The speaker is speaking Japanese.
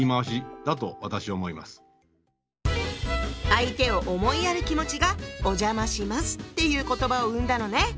相手を思いやる気持ちが「お邪魔します」っていう言葉を生んだのね。